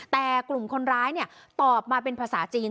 แต่กลุ่มคนร้ายตอบมาเป็นภาษาจีน